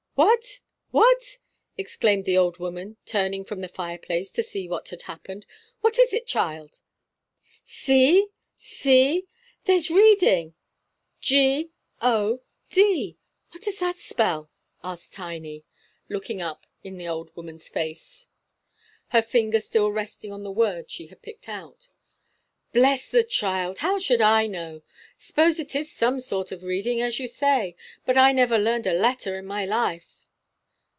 "What, what!" exclaimed the old woman, turning from the fireplace to see what had happened. "What is it, child?" "See, see, there's reading G O D! What does that spell?" asked Tiny, looking up in the old woman's face, her finger still resting on the word she had picked out. "Bless the child, how should I know? S'pose it is some sort of reading, as you say; but I never learned a letter in my life."